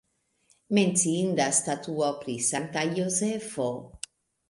Menciindas statuo pri Sankta Jozefo.